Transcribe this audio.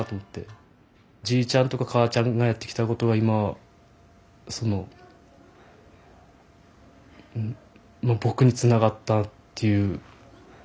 じいちゃんとか母ちゃんがやってきたことが今その僕につながったっていう。